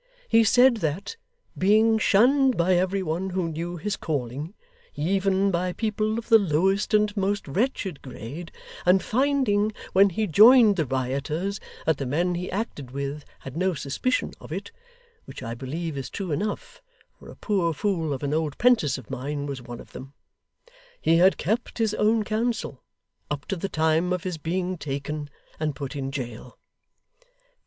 He said that, being shunned by every one who knew his calling, even by people of the lowest and most wretched grade, and finding, when he joined the rioters, that the men he acted with had no suspicion of it (which I believe is true enough, for a poor fool of an old 'prentice of mine was one of them), he had kept his own counsel, up to the time of his being taken and put in jail.